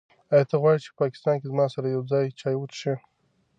ایا ته غواړې چې په انګلستان کې زما سره یو ځای چای وڅښې؟